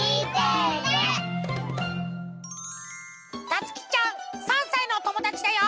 たつきちゃん３さいのおともだちだよ！